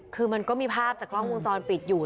คือมันก็มีภาพจากกล้องวงจรปิดอยู่